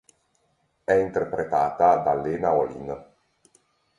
È interpretata da Lena Olin.